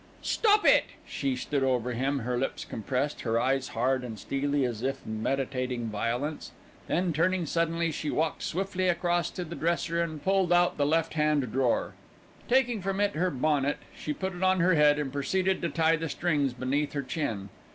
"Stop it!" She stood over him, her lips compressed, her eyes hard and steely, as if meditating violence, then, turning suddenly, she walked swiftly across to the dresser and pulled out the left hand drawer. Taking from it her bonnet, she put it on her head and proceeded to tie the strings beneath her chin.